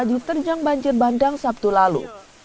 diterjang banjir bandang sabtu lalu